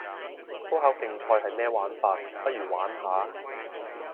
粗口競賽係咩玩法，不如玩下